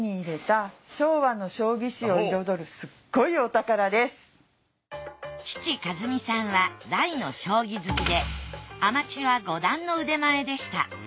ところで父一美さんは大の将棋好きでアマチュア五段の腕前でした。